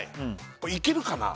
これいけるかな？